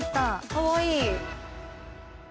かわいい。